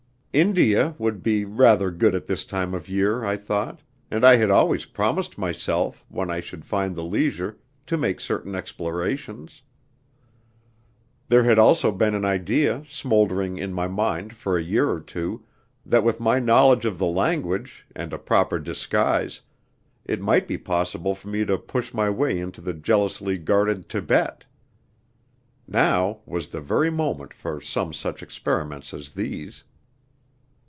India would be rather good at this time of year, I thought, and I had always promised myself, when I should find the leisure, to make certain explorations. There had also been an idea smouldering in my mind for a year or two that with my knowledge of the language, and a proper disguise, it might be possible for me to push my way into the jealously guarded Thibet. Now was the very moment for some such experiments as these.